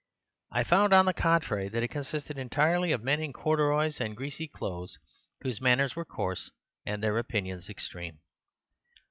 I found, on the contrary, that it consisted entirely of men in corduroys and greasy clothes whose manners were coarse and their opinions extreme.